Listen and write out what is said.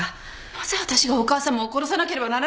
なぜ私がお母さまを殺さなければならないの？